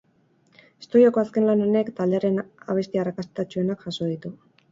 Estudioko azken lan honek taldearen abesti arrakastatsuenak jaso ditu.